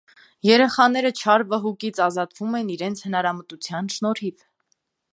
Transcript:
Երեխաները չար վհուկից ազատվում են իրենց հնարամտության շնորհիվ։